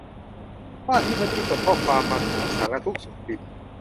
ว่าที่บัดดี้ส่งข้อความมาถามสารทุกข์สุขดิบ